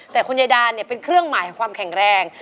แต่คุณยายดาเนี่ยเป็นเครื่องหมายของความแข็งแรง